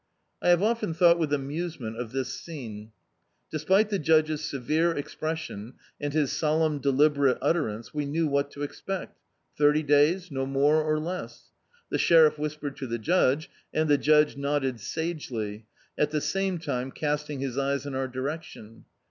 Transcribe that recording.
I have often thought with amusement of this scene. Despite the judge's severe expression, and his solemn deliberate utterance, we knew what to expect, — thirty days, no more or less. The sheriff whispered to the judge, and the judge nodded sagely, at the same time casting his eyes in our direction.